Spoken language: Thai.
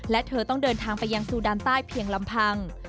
และเธอต้องเดินทางไปยังซูดานใต้เพียงลำพัง